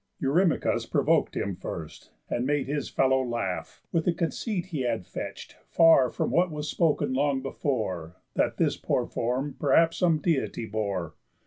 Eurymachus provok'd him first, and made His fellow laugh, with a conceit he had Fetch'd far from what was spoken long before, That his poor form perhaps some Deity bore.